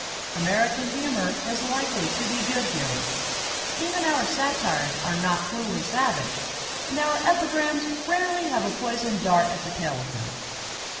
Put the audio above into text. American humor is likely to be good humor; even our satires are not cruelly savage, and our epigrams rarely have a poisoned dart at the tail of them.